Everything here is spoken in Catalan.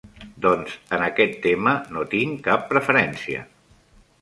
Doncs, en aquest tema, no tinc cap preferència.